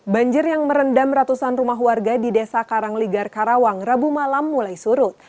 banjir yang merendam ratusan rumah warga di desa karangligar karawang rabu malam mulai surut